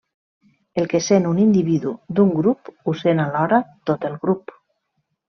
El que sent un individu d'un grup ho sent alhora tot el grup.